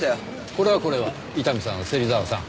これはこれは伊丹さん芹沢さん。